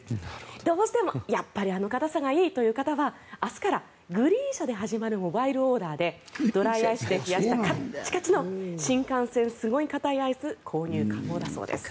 どうしても、やっぱりあの硬さがいいという方は明日からグリーン車で始まるモバイルオーダーでドライアイスで冷やしたカッチカチのシンカンセンスゴイカタイアイス購入可能だそうです。